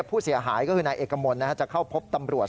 ผู้เสียหายก็คือนายเอกมลจะเข้าพบตำรวจ